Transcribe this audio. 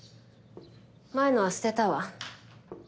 前のは捨てたわ。